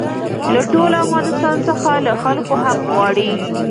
له ټول افغانستان څخه له خلکو حق غواړي.